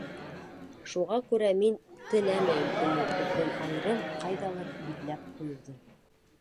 Шуға күрә мин теләмәйем уны беҙҙән айырып ҡайҙалыр бикләп ҡуйыуҙы.